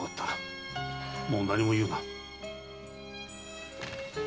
もう何も言うな。